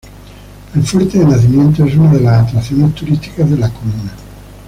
El Fuerte de Nacimiento es una de las atracciones turísticas de la comuna.